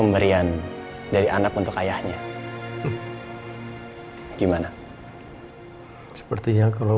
mama tuh kangen banget sama kamu